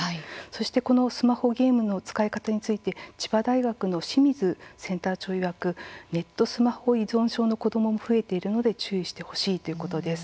そしてこのスマホゲームの使い方について千葉大学の清水センター長いわくネット・スマホ依存症の子どもも増えているので注意してほしいということです。